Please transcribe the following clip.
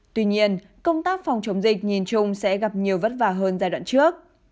tuy nhiên công tác phòng chống dịch nhìn chung sẽ gặp nhiều vất vả hơn giai đoạn trước